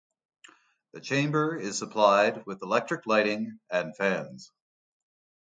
The chamber is supplied with electric lighting and fans.